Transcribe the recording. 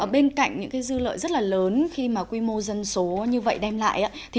bên cạnh những dư lợi rất lớn khi quy mô dân số như vậy đem lại